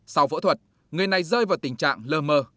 sau phẫu thuật người này rơi vào tình trạng lờ mờ